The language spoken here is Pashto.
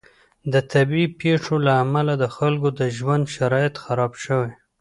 د طبعي پیښو له امله د خلکو د ژوند شرایط خراب شوي.